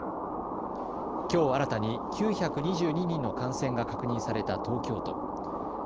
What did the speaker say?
きょう新たに９２２人の感染が確認された東京都。